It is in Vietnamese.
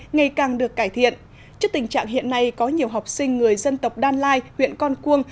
ngày càng được cải thiện trước tình trạng hiện nay có nhiều học sinh người dân tộc đan lai huyện con cuông